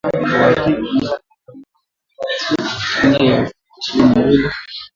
Uhakiki ulifanyika mwezi Machi mwaka wa elfu mbili ishirini na mbili.